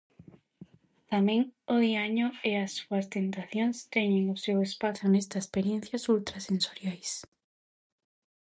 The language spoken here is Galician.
Tamén o diaño e as súas tentacións teñen o seu espazo nestas experiencias ultrasensoriais: